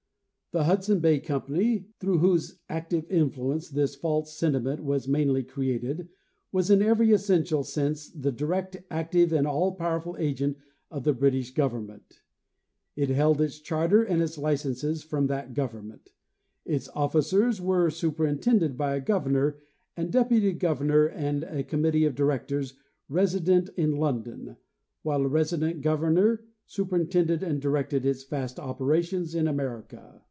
The Hudson Bay company, through whose active influence this false sentiment was mainly created, was in every essential sense the direct, active and all powerful agent of the British government. It held its charter and its licenses from that goy ernment; its officers were superintended by a governor and deputy governor and a committee of directors resident in Lon don, while a resident governor superintended and directed its vast operations in America.